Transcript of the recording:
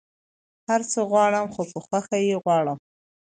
هر څه غواړم خو په خوښی يي غواړم